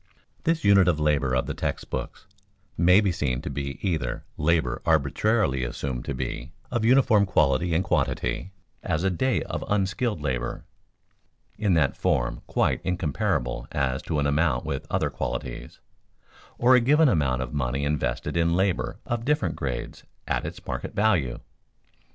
This unit of labor of the text books may be seen to be either labor arbitrarily assumed to be of uniform quality and quantity, as a day of unskilled labor (in that form quite incomparable as to amount with other qualities), or a given amount of money invested in labor of different grades at its market value.